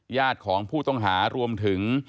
ญาติของผู้ต้องหารวมถึง